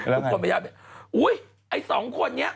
แล้วไงทุกคนไปเจออุ๊ยไอ้สองคนนี้